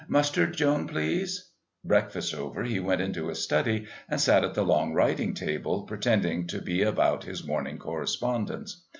"Mustard, Joan, please." Breakfast over, he went into his study and sat at the long writing table, pretending to be about his morning correspondence.